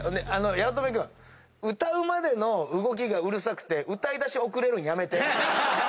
八乙女君歌うまでの動きがうるさくて歌いだし遅れるんやめて。